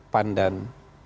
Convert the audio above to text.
pan dan p tiga